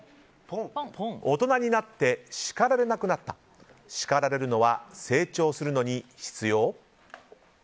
大人になって叱られなくなった叱られるのは成長するのに必要？